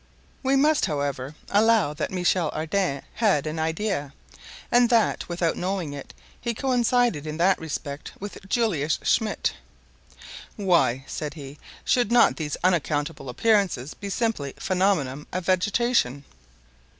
We must, however, allow that Michel Ardan had "an idea," and that, without knowing it, he coincided in that respect with Julius Schmidt. "Why," said he, "should not these unaccountable appearances be simply phenomena of vegetation?"